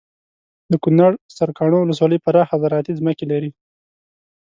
دکنړ سرکاڼو ولسوالي پراخه زراعتي ځمکې لري